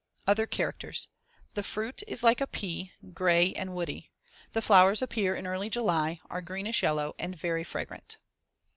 Other characters: The fruit is like a pea, gray and woody. The flowers appear in early July, are greenish yellow and very fragrant.